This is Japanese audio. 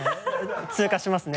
通過しますね。